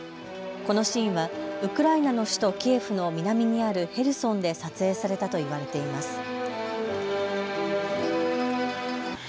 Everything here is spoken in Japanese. このシーンはウクライナの首都キエフの南にあるヘルソンで撮影されたといわれています。